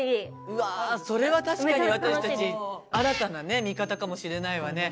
うわそれは確かに私たち新たな見方かもしれないわね。